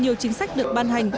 nhiều chính sách được ban hành